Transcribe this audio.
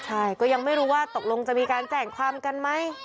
ใช่ก็ยังไม่รู้ว่าตกลงจะมีการแจ้งความกันไหม